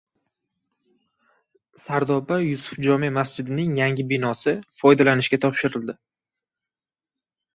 Sardobada Yusuf jome masjidining yangi binosi foydalanishga topshirildi